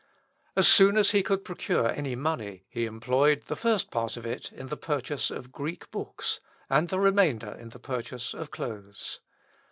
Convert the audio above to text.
As soon as he could procure any money, he employed the first part of it in the purchase of Greek books, and the remainder in the purchase of clothes.